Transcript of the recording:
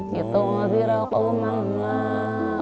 saya menghadirkan mereka menghadirkan anaknya